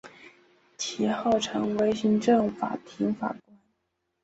其后成为行政法庭法官。